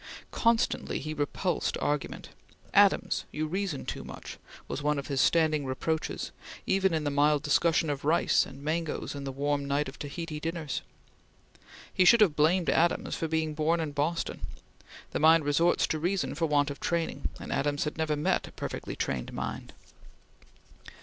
Constantly he repulsed argument: "Adams, you reason too much!" was one of his standing reproaches even in the mild discussion of rice and mangoes in the warm night of Tahiti dinners. He should have blamed Adams for being born in Boston. The mind resorts to reason for want of training, and Adams had never met a perfectly trained mind.